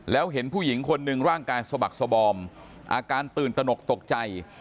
แล้วเห็นผู้หญิงคนหนึ่งร่างกายสบักสบอมอาการตื่นตนกตกใจ